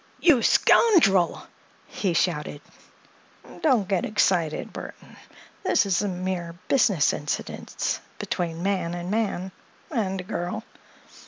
"You scoundrel!" he shouted. "Don't get excited, Burthon. This is a mere business incident, between man and man—and a girl."